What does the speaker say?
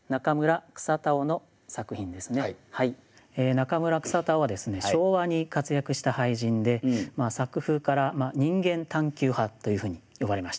中村草田男は昭和に活躍した俳人で作風から「人間探求派」というふうに呼ばれました。